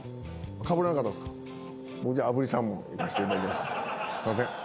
すいません。